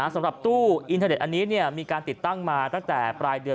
สำหรับตู้อินเทอร์เน็ตอันนี้มีการติดตั้งมาตั้งแต่ปลายเดือน